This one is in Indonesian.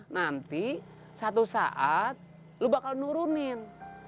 nanti satu saat lo bakal nurunin